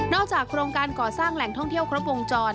โครงการก่อสร้างแหล่งท่องเที่ยวครบวงจร